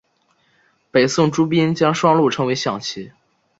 北宋朱彧将双陆称为象棋。